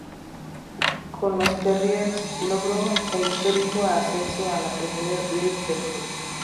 Con "los Terriers" logró el histórico ascenso a la Premier League del club.